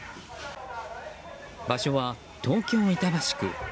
場所は東京・板橋区。